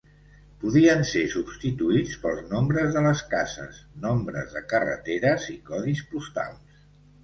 Podien ser substituïts pels nombres de les cases, nombres de carreteres i codis postals.